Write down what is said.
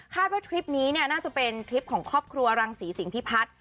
คาดว่าคลิปนี้น่าจะเป็นคลิปของครอบครัวรังศรีสิงห์พี่พัด